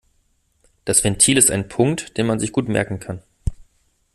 Das Ventil ist ein Punkt, den man sich gut merken kann.